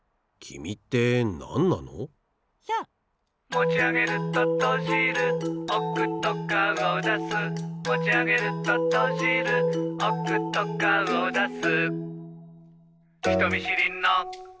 「もちあげるととじるおくと顔だす」「もちあげるととじるおくと顔だす」